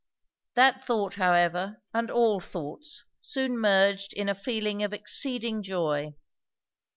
That thought however, and all thoughts, soon merged in a feeling of exceeding joy.